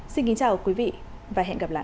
xin kính chào quý vị và hẹn gặp lại